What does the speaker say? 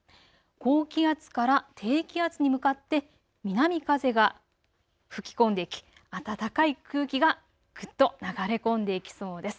高気圧から低気圧に向かって南風が吹き込んでいき暖かい空気がぐっと流れ込んでいきそうです。